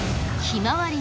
ひまわり？